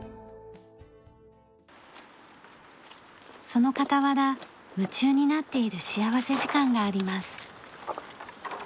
その傍ら夢中になっている幸福時間があります。